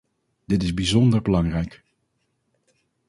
Dit is bijzonder belangrijk.